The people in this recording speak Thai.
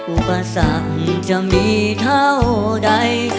อุปสรรคจะมีเท่าใด